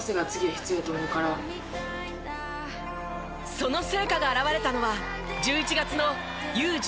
その成果が表れたのは１１月のＵ１８